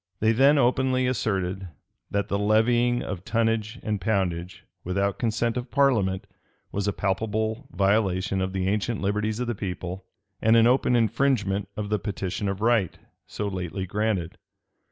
They then openly asserted, that the levying of tonnage and poundage without consent of parliament, was a palpable violation of the ancient liberties of the people, and an open infringement of the petition of right, so lately granted.